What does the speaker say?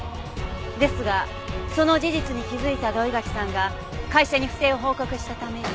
ですがその事実に気づいた土居垣さんが会社に不正を報告したために。